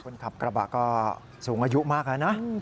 คุณครับกระบะก็สูงอายุมากนะ